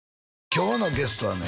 今日のゲストはね